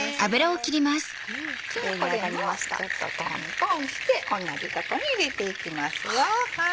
じゃあこれもちょっとトントンして同じとこに入れていきますよ。